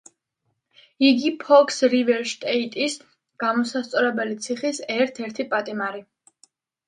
იგი ფოქს რივერ შტეიტის გამოსასწორებელი ციხის ერთ-ერთი პატიმარი.